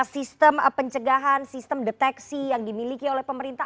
sistem pencegahan sistem deteksi yang dimiliki oleh pemerintah